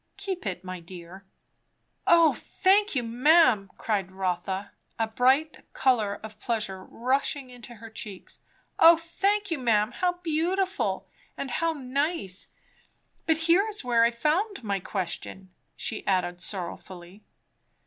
"Keep it, my dear." "O thank you, ma'am!" cried Rotha, a bright colour of pleasure rushing into her cheeks. "O thank you, ma'am! How beautiful! and how nice! But here is where I found my question," she added sorrowfully.